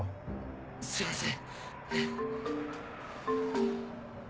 すいません。